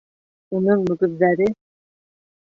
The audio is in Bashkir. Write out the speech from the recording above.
Уның мөгөҙҙәре...